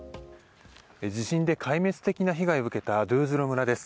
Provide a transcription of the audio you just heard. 地震で壊滅的な被害を受けたドウーズロ村です。